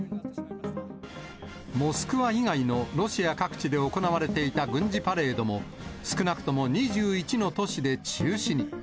モスクワ以外のロシア各地で行われていた軍事パレードも、少なくとも２１の都市で中止に。